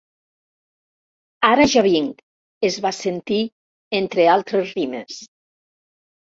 Ara ja vinc! —es va sentir, entre altres rimes.